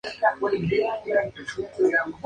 Extremidades inferiores.